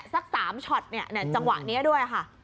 สัก๓ช็อตจังหวะนี้ด้วยค่ะ